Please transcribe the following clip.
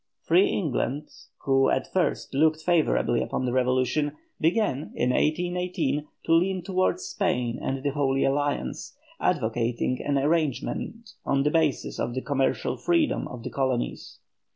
Free England, who at first looked favourably upon the revolution, began, in 1818, to lean towards Spain and the Holy Alliance, advocating an arrangement on the basis of the "commercial freedom" of the colonies.